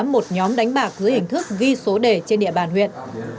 một nhóm đánh bạc dưới hình thức ghi số đề trên địa bàn huyện